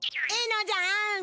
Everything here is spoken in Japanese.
いいのじゃ！